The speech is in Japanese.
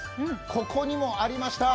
ここにもありました。